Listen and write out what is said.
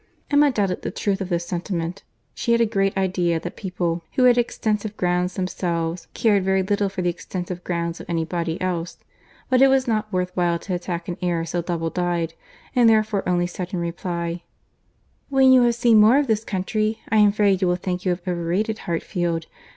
Emma doubted the truth of this sentiment. She had a great idea that people who had extensive grounds themselves cared very little for the extensive grounds of any body else; but it was not worth while to attack an error so double dyed, and therefore only said in reply, "When you have seen more of this country, I am afraid you will think you have overrated Hartfield.